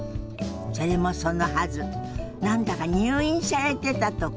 それもそのはず何だか入院されてたとか。